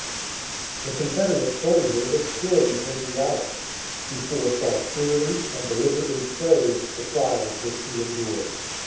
The Confederate soldier was purely patriotic. He foresaw clearly, and deliberately chose, the trials which he endured.